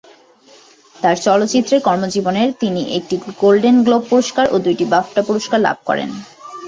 তার চলচ্চিত্রের কর্মজীবনে তিনি একটি গোল্ডেন গ্লোব পুরস্কার ও দুটি বাফটা পুরস্কার লাভ করেন।